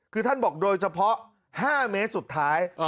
คือท่านบอกโดยเฉพาะ๕เมตรสุดท้าย